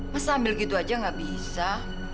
masa ambil gitu aja nggak bisa